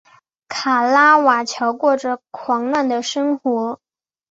卡拉瓦乔过着狂乱的生活。